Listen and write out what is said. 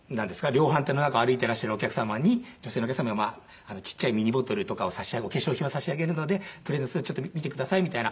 量販店の中を歩いていらっしゃるお客様に女性のお客様にちっちゃいミニボトルとかをお化粧品を差し上げるのでプレゼントするのでちょっと見てくださいみたいな。